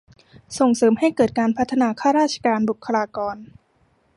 ส่งเสริมให้เกิดการพัฒนาข้าราชการ บุคลากร